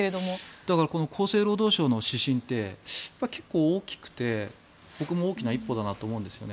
だからこの厚生労働省の指針って結構、大きくて僕も大きな一歩だなと思うんですね。